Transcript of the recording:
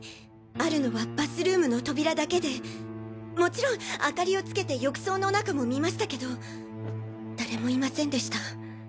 あるのはバスルームの扉だけでもちろん明かりをつけて浴槽の中も見ましたけど誰もいませんでした。